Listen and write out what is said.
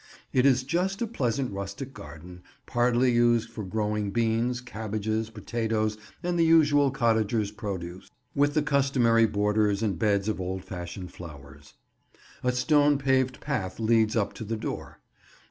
It is just a pleasant rustic garden, partly used for growing beans, cabbages, potatoes and the usual cottager's produce; with the customary borders and beds of old fashioned flowers. A stone paved path leads up to the door.